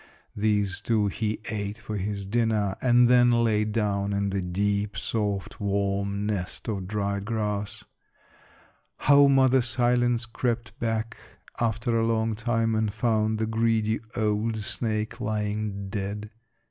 These two he ate for his dinner and then lay down in the deep, soft, warm nest of dried grass. How Mother Silence crept back after a long time and found the greedy old snake lying dead.